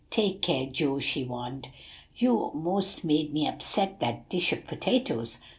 "Take care, Joe," she warned; "you most made me upset that dish of potatoes.